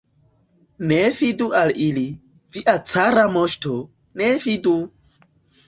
Ne fidu al ili, via cara moŝto, ne fidu!